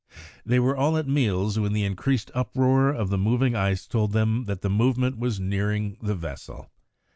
They were all at meals when the increased uproar of the moving ice told them that the movement was nearing the vessel.